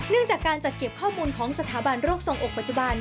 จากการจัดเก็บข้อมูลของสถาบันโรคทรงอกปัจจุบัน